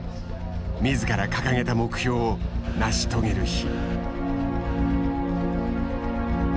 自ら掲げた目標を成し遂げる日。